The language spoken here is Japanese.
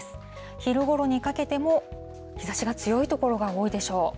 昼ごろにかけても日ざしが強い所が多いでしょう。